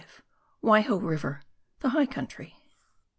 WAIHO RIVER THE HIGH COIJXTRY.